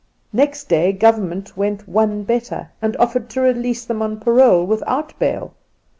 Next day Government went one better and offered to release them on parole without bail.